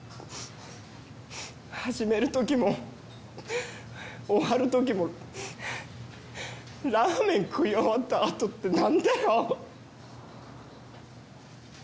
始める時も終わる時もラーメン食い終わった後って何だよ